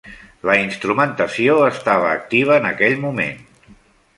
La instrumentació estava activa en aquell moment.